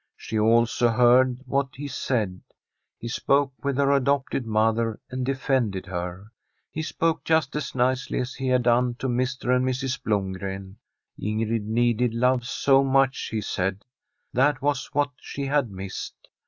She also heard what he said ; he spoke with her adopted mother and defended her. He spoke just as nicely as he had done to Mr. and Mrs. Blomgren. Ingrid needed [591 From a SWEDISH HOMESTEAD love so much, he said. That was what she had missed.